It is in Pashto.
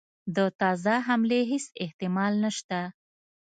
د تازه حملې هیڅ احتمال نسته.